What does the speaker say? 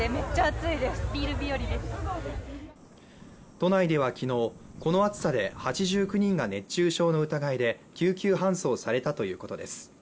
都内では昨日、この暑さで８９人が熱中症の疑いで救急搬送されたということです。